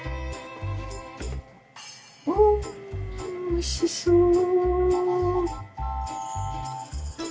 おおおいしそう。